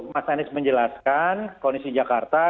mas anies menjelaskan kondisi jakarta